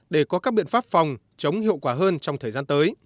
để có các biện pháp phòng chống hiệu quả hơn trong thời gian tới